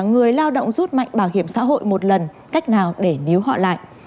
người lao động rút mạnh bảo hiểm xã hội một lần cách nào để nếu họ lại